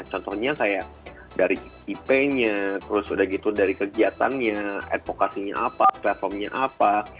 contohnya kayak dari ip nya terus udah gitu dari kegiatannya advokasinya apa platformnya apa